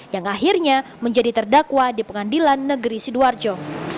yang akhirnya menjadi terdakwa di pengadilan negeri sidoarjo